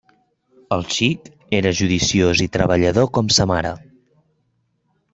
El xic era judiciós i treballador com sa mare.